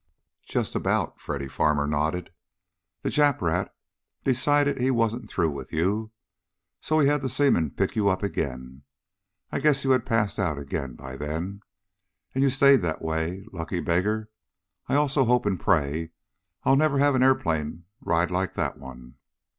"Just about," Freddy Farmer nodded. "The Jap rat decided that he wasn't through with you, so he had the seaman pick you up again. I guess you had passed out again by then. And you stayed that way lucky beggar. I also hope and pray I'll never have an airplane ride like that one!